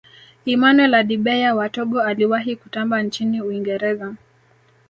emmanuel adebayor wa togo aliwahi kutamba nchini uingereza